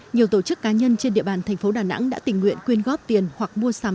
nhiều tổ chức cá nhân trên địa bàn thành phố đà nẵng đã tình nguyện quyên góp tiền hoặc mua sắm